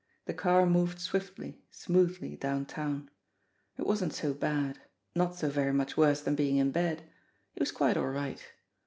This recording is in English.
The car moved swiftly, smoothly downtown. It wasn't so bad ; not so very much worse than being in bed. He was quite all right.